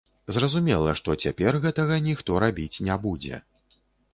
Зразумела, што цяпер гэтага ніхто рабіць не будзе.